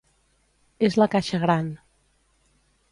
És la caixa gran.